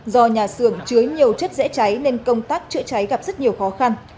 do nhà xưởng chứa nhiều chất dễ cháy nên công tác chữa cháy gặp rất nhiều khó khăn